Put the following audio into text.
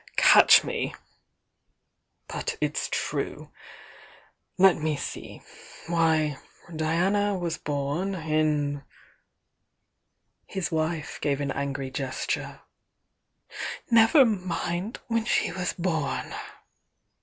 "Catch me! But its true. Let me see!— why, Diana was bom in " His wife gave an angry gesture. "Never mind when she was born!"